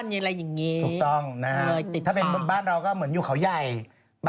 พี่นางโพสต์ลงแล้วเป็นหัว